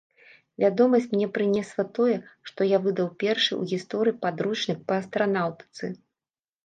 Вядомасць мне прынесла тое, што я выдаў першы ў гісторыі падручнік па астранаўтыцы.